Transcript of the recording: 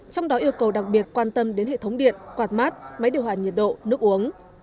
trong đó yêu cầu đặc biệt quan tâm đến hệ thống điện quạt mát máy điều hòa nhiệt độ nước uống